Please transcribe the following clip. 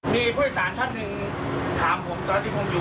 มีผู้โดยสารท่านหนึ่งถามผมตอนที่ผมอยู่